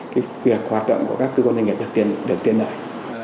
việc hoạt động của các cơ quan doanh nghiệp được tiền lợi